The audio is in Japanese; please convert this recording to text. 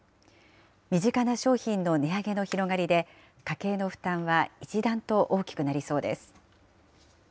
身近な商品の値上げの広がりで、家計の負担は一段と大きくなりそうです。